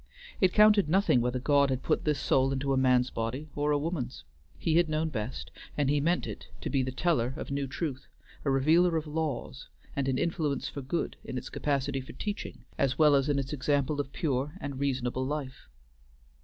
It counted nothing whether God had put this soul into a man's body or a woman's. He had known best, and He meant it to be the teller of new truth, a revealer of laws, and an influence for good in its capacity for teaching, as well as in its example of pure and reasonable life.